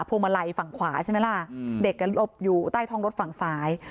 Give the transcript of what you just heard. วงมาลัยฝั่งขวาใช่ไหมล่ะเด็กหลบอยู่ใต้ท้องรถฝั่งซ้าย